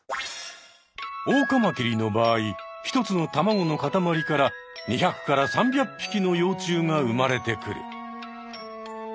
オオカマキリの場合１つの卵の塊から２００から３００匹の幼虫が生まれてくる。